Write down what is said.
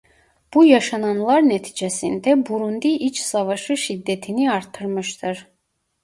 Bu yaşananlar neticesinde Burundi İç Savaşı şiddetini arttırmıştır.